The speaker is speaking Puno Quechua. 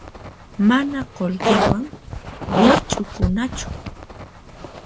Mana qullqiwan wikch'ukunachu.